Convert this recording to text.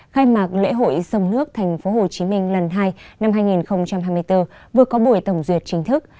khai mạc lễ hội sông nước tp hcm lần hai năm hai nghìn hai mươi bốn vừa có buổi tổng duyệt chính thức